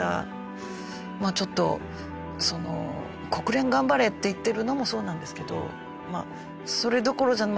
まあちょっとその国連頑張れって言ってるのもそうなんですけどそれどころじゃ。